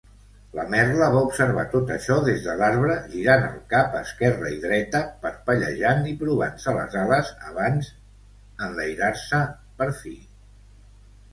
La merla va observar tot això des de l'arbre girant el cap a esquerra i dreta, parpellejant i provant-se les ales, abans enlairar-se per fi.